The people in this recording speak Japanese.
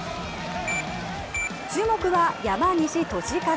注目は山西利和。